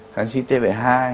kháng sinh thế hệ hai